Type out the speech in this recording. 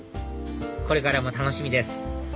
これからも楽しみです